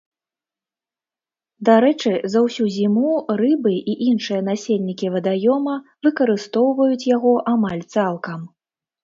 Дарэчы, за ўсю зіму рыбы і іншыя насельнікі вадаёма выкарыстоўваюць яго амаль цалкам.